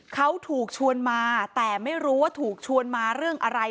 เขาถูกชวนมาแต่ไม่รู้ว่าถูกชวนมาเรื่องอะไร